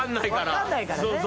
分かんないからね。